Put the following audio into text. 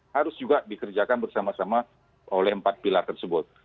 harus juga dikerjakan bersama sama oleh empat pilar tersebut